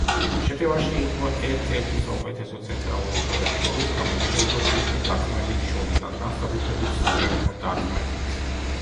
შეტევაში იყო ერთ-ერთი საუკეთესო ცენტრალურ მცველებს შორის, გამოირჩეოდა ზუსტი დარტყმებით შორიდან, განსაკუთრებით საჯარიმო დარტყმებით.